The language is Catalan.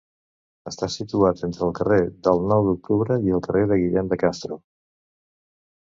Està situat entre el carrer del Nou d'octubre i el carrer de Guillem de Castro.